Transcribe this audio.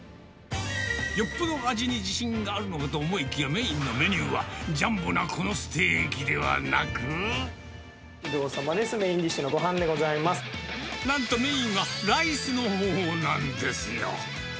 よっぽど味に自信があるのかと思いきや、メインのメニューは、メインディッシュのごはんでなんとメインは、ライスのほうなんですよ。